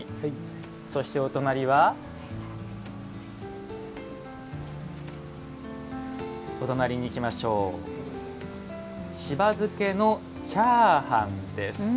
そして、お隣は「しば漬けのチャーハン」です。